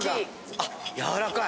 あっやわらかい。